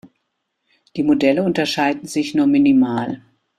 Die Modelle unterscheiden sich nur minimal.